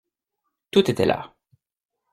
Tout était là.